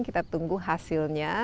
kita tunggu hasilnya